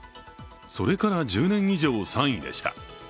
それから１０年以上３位でした。